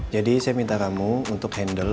jadi saya minta kamu untuk handle